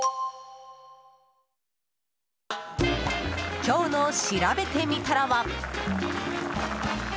今日のしらべてみたらは。